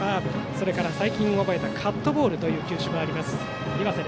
それから最近覚えたカットボールという球種もある岩瀬。